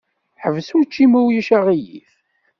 Ḥbes učči ma ulac aɣilif.